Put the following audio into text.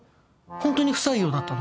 ホントに不採用だったの？